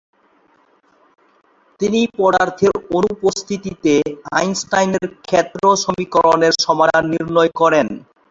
তিনি পদার্থের অনুপস্থিতিতে আইনস্টাইনের ক্ষেত্র সমীকরণের সমাধান নির্ণয় করেন।